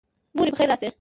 موري پخیر راشي